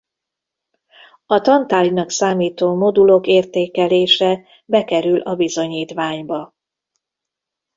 A tantárgynak számító modulok értékelése bekerül a bizonyítványba.